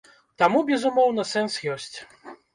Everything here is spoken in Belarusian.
Таму, безумоўна, сэнс ёсць.